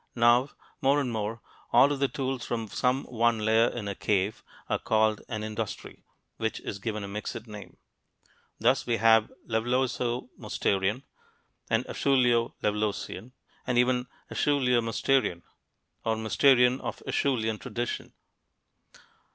Now, more and more, all of the tools from some one layer in a cave are called an "industry," which is given a mixed name. Thus we have "Levalloiso Mousterian," and "Acheuleo Levalloisian," and even "Acheuleo Mousterian" (or "Mousterian of Acheulean tradition").